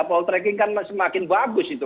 poltreking kan semakin bagus itu